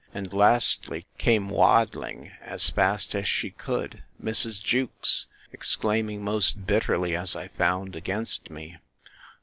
and lastly, came waddling, as fast as she could, Mrs. Jewkes, exclaiming most bitterly, as I found, against me.